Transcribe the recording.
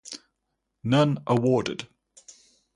None awarded